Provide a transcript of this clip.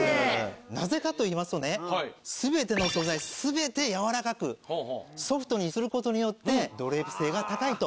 なぜかといいますとね全ての素材全てやわらかくソフトにすることによってドレープ性が高いと。